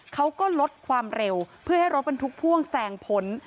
เขาก็ลดความเร็วเพื่อให้รถบรรทุกพ่วงแซงพ้น